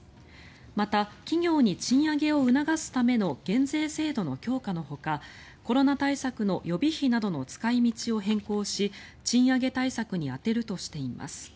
また、企業に賃上げを促すための減税制度の強化のほかコロナ対策の予備費などの使い道を変更し賃上げ対策に充てるとしています。